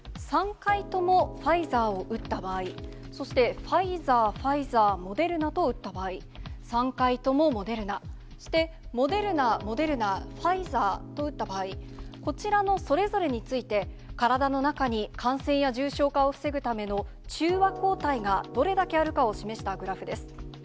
３回ともファイザーを打った場合、そしてファイザー、ファイザー、モデルナと打った場合、３回ともモデルナ、そしてモデルナ、モデルナ、ファイザーと打った場合、こちらのそれぞれについて、体の中に感染や重症化を防ぐための中和抗体がどれだけあるかを示したグラフです。